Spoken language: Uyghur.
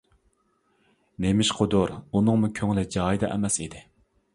نېمىشقىدۇر ئۇنىڭمۇ كۆڭلى جايىدا ئەمەس ئىدى.